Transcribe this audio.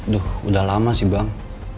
duh udah lama sih bang